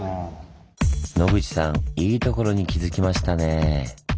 野口さんいいところに気付きましたねぇ。